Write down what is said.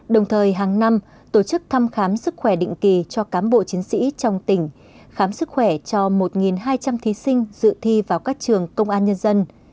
đồng thời hàng năm tổ chức thăm khám sức khỏe định kỳ cho cám bộ chiến sĩ trong tỉnh khám sức khỏe cho một hai trăm linh thí sinh dự thi vào các trường công an nhân dân